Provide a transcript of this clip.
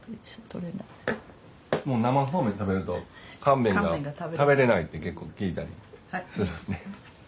もう生そうめん食べると乾麺が食べれないって結構聞いたりするんで。